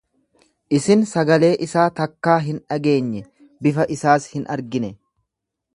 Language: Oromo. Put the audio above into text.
Isin sagalee isaa takkaa hin dhageenye, bifa isaas hin argine.